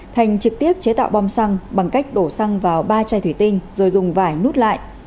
thành trực tiếp chế tạo bom xăng bằng cách đổ xăng vào ba chai thủy tinh rồi dùng vải nút lại